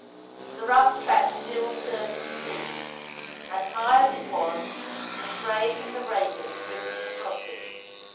The rough track still skirted the sea, and high as it was, the spray from the breakers drifted across it.